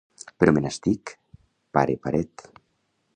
Però me n'estic, pare paret.